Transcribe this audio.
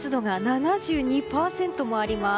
そして湿度が７２％もあります。